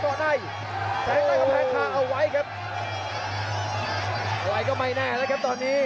เอาไว้ก็ไม่แน่แล้วครับตอนนี้